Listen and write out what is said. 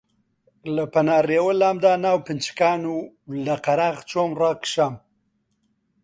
لە پەنا ڕێوە لامدا ناو پنچکان و لە قەراغ چۆم ڕاکشام